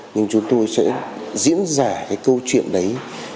nhưng chúng tôi sẽ diễn giải cái câu chuyện đấy